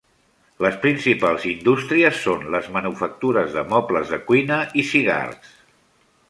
Les principals indústries són les manufactures de mobles de cuina i cigars.